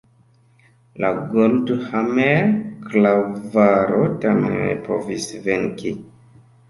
La Goldhammer-klavaro tamen ne povis venki.